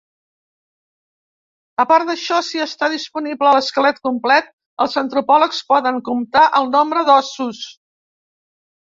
A part d'això, si està disponible l'esquelet complet, els antropòlegs poden comptar el nombre d'ossos.